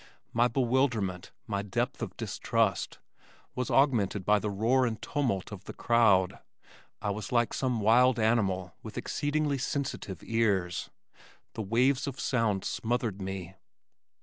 My bewilderment, my depth of distrust, was augmented by the roar and tumult of the crowd. I was like some wild animal with exceedingly sensitive ears. The waves of sound smothered me.